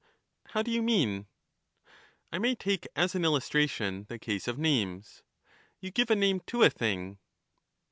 How do you mean ? I may take as an illustration the case of names : You give a name to a thing?